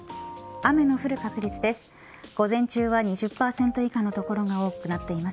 雨の降る確率です。